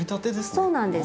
そうなんです。